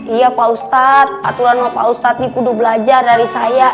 iya pak ustadz aturan sama pak ustadz di kudu belajar dari saya